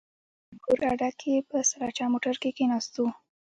په انګور اډه کښې په سراچه موټر کښې کښېناستو.